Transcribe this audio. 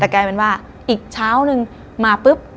แต่กลายเป็นว่าอีกเช้านึงมาปุ๊บ